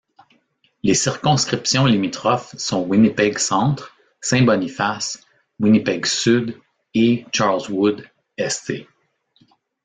Les circonscriptions limitrophes sont Winnipeg-Centre, Saint-Boniface, Winnipeg-Sud et Charleswood—St.